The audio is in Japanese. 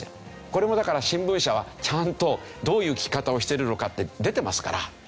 これもだから新聞社はちゃんとどういう聞き方をしてるのかって出てますから。